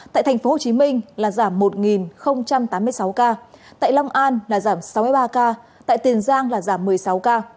tại tp hcm là giảm một tám mươi sáu ca tại long an là giảm sáu mươi ba ca tại tiền giang là giảm một mươi sáu ca